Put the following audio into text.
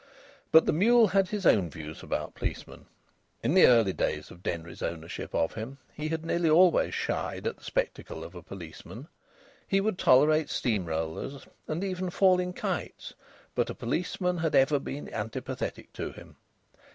But the mule had his own views about policemen. In the early days of Denry's ownership of him he had nearly always shied at the spectacle of a policemen. He would tolerate steam rollers, and even falling kites, but a policeman had ever been antipathetic to him.